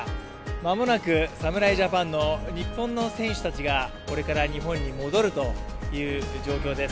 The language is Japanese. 間もなく侍ジャパンの日本の選手たちがこれから日本に戻るという状況です。